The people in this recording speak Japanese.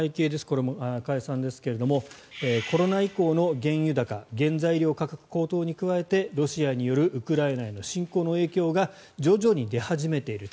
これも加谷さんですがコロナ以降の原油高原材料価格高騰に加えてロシアによるウクライナへの侵攻の影響が徐々に出始めている。